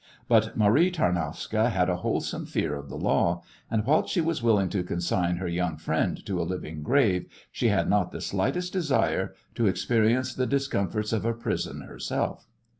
But Marie Tarnowska had a wholesome fear of the law, and, whilst she was willing to consign her young friend to a living grave, she had not the slightest desire to experience the discomforts of a prison herself.